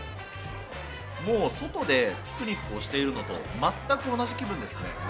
もう外でピクニックをしているのと全く同じ気分ですね。